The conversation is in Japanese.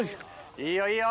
いいよ、いいよ。